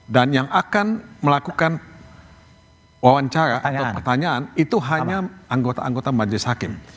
dan yang akan melakukan wawancara atau pertanyaan itu hanya anggota anggota majelis hakim